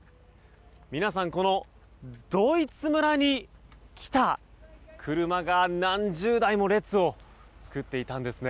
皆さんこのドイツ村に来た車が何十台も列を作っていたんですね。